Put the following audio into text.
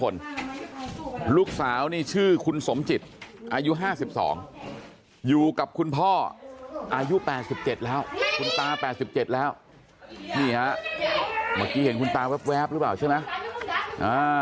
นี่ฮะเมื่อกี้เห็นคุณตามแวบรึเปล่าใช่มั้ย